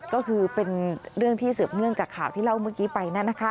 ก็คือเป็นเรื่องที่เสริมเนื่องจากข่าวที่เล่าเมื่อกี้ไป